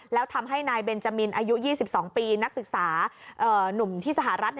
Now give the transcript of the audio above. แล้วทำให้นายเบนจามินอายุ๒๒ปีนักศึกษาหนุ่มที่สหรัฐ